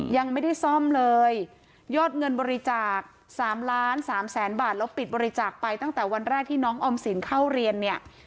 ยังไม่ได้ซ่อมเลยยอดเงินบริจาคสามล้านสามแสนบาทแล้วปิดบริจาคไปตั้งแต่วันแรกที่น้องออมสินเข้าเรียนเนี่ย